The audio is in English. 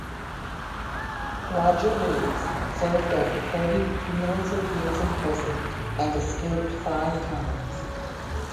Roger Reaves served over thirty cumulative years in prison and escaped five times.